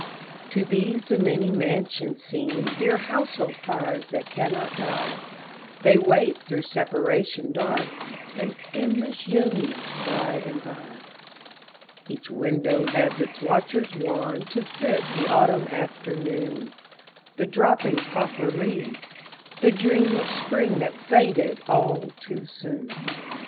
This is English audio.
To these the many mansions seem Dear household fires that cannot die; They wait through separation dark An endless union by and by. Each window has its watcher wan To fit the autumn afternoon, The dropping poplar leaves, the dream Of spring that faded all too soon.